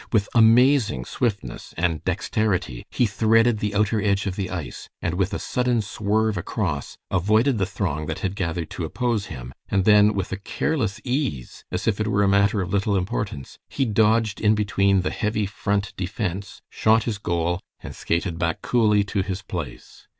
With amazing swiftness and dexterity he threaded the outer edge of the ice, and with a sudden swerve across, avoided the throng that had gathered to oppose him, and then with a careless ease, as if it were a matter of little importance, he dodged in between the heavy Front defense, shot his goal, and skated back coolly to his place.